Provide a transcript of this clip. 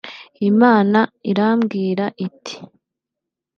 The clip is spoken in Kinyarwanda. Imana irambwira iti